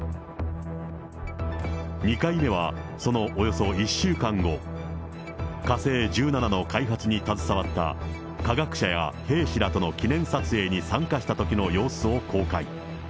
２回目はそのおよそ１週間後、火星１７の開発に携わった、科学者や兵士らとの記念撮影に参加したときの様子を公開。